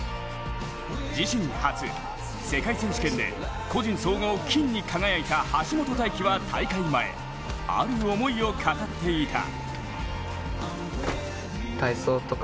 自身初、世界選手権で個人総合金に輝いた橋本大輝は大会前、ある思いを語っていた。